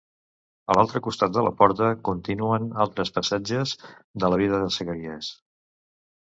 A l'altre costat de la porta continuen altres passatges de la vida de Zacaries.